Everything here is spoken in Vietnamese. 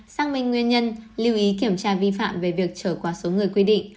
xác minh nguyên nhân lưu ý kiểm tra vi phạm về việc trở qua số người quy định